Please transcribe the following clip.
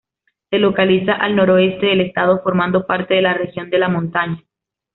Se localiza al noreste del estado formando parte de la región de La Montaña.